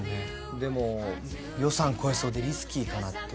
でも予算超えそうでリスキーかなって。